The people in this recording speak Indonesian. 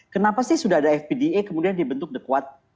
kenapa sih sudah ada fpda kemudian dibentuk the quad